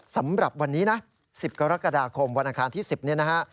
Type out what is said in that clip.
สำหรับวันนี้นะ๑๐กรกฎาคมวันอังคารที่๑๐เนี่ยนะฮะ